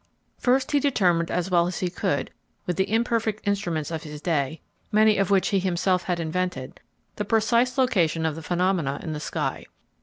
First he determined as well as he could with the imperfect instruments of his day, many of which he himself had invented, the precise location of the phenomena in the sky.